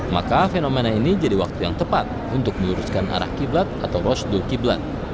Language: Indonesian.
maka fenomena ini jadi waktu yang tepat untuk meluruskan arah qiblat atau rosdul qiblat